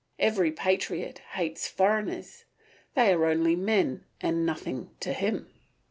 Every patriot hates foreigners; they are only men, and nothing to him.